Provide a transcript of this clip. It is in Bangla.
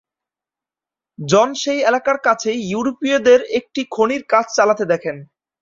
জন সেই এলাকার কাছে ইউরোপীয়দের একটি খনির কাজ চালাতে দেখেন।